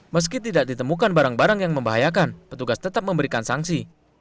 meski tidak ditemukan barang barang yang membahayakan petugas tetap memberikan sanksi